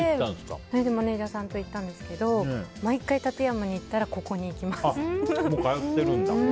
それでマネジャーさんと行ったんですけど館山に行ったら毎回ここに行きます。